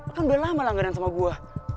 kan udah lama langganan sama buah